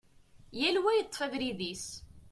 Yal wa yeṭṭef abrid-is.